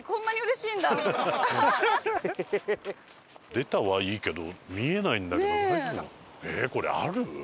出たはいいけど見えないんだけど大丈夫なの？